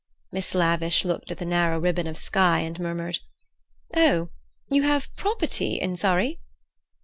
Miss Lavish looked at the narrow ribbon of sky, and murmured: "Oh, you have property in Surrey?"